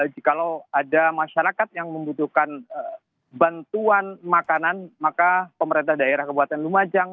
jikalau ada masyarakat yang membutuhkan bantuan makanan maka pemerintah daerah kabupaten lumajang